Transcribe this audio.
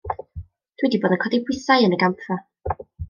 Dw i 'di bod yn codi pwysau yn y gampfa.